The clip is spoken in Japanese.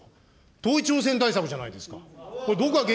統一地方選対策じゃないですか。